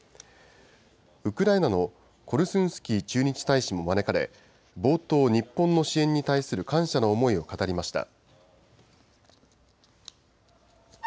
ウクライナのコルスンスキー駐日大使も招かれ、冒頭、日本の支援に対する感謝の思いを語りました。